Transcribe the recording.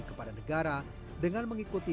kepada negara dengan mengikuti